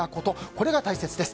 これが大切です。